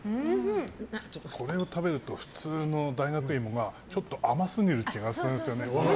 これを食べると普通の大学いもがちょっと甘すぎる気がするんですよね。